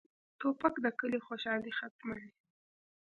توپک د کلي خوشالي ختموي.